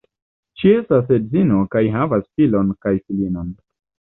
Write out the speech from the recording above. Ŝi estas edzino kaj havas filon kaj filinon.